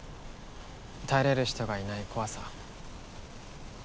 頼れる人がいない怖さ。